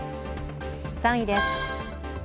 ３位です。